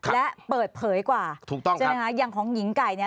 และเปิดเผยกว่าถูกต้องใช่ไหมคะอย่างของหญิงไก่เนี่ย